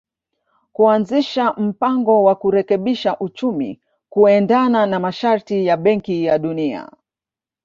kuanzisha mpango wa kurekebisha uchumi kuendana na masharti ya Benki ya Dunia